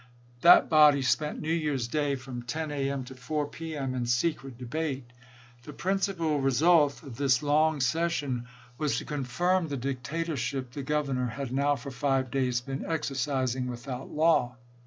That body spent cp™c£ed°n New Year's Day, from 10 a. m. to 4 p. m., in secret chS'ton debate. The principal result of this long session Jan. 3, lsei. was to confirm the dictatorship the Governor had now for five days been exercising without law.